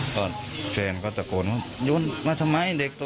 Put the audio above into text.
พอเทรนด์ก็ตะโกนว่าโยนมาทำไมเด็กตกใจ